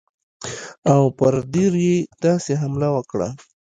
او پر دیر یې داسې حمله وکړه.